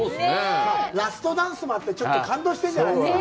ラストダンスもあって、感動してるんじゃないですか。